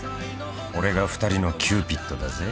俺が２人のキューピッドだぜ